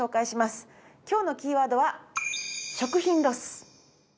今日のキーワードは食品ロス。